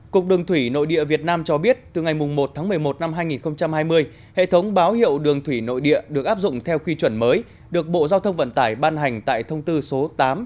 cục đường thủy nội địa việt nam cho biết từ ngày một một mươi một hai nghìn hai mươi hệ thống báo hiệu đường thủy nội địa được áp dụng theo quy chuẩn mới được bộ giao thông vận tải ban hành tại thông tư số tám hai nghìn hai mươi